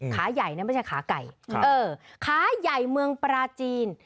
ขาใหญ่นะไม่ใช่ขาไก่เออขาใหญ่เมืองปราจีน